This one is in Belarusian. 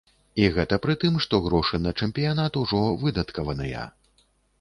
І гэта пры тым, што грошы на чэмпіянат ужо выдаткаваныя.